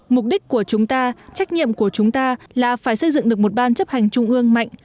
mục đích của chúng ta trách nhiệm của chúng ta là phải xây dựng được một ban chấp hành trung ương mạnh